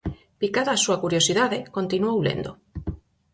Picada a súa curiosidade, continuou lendo.